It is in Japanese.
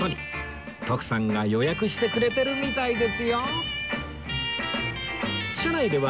徳さんが予約してくれてるみたいですよ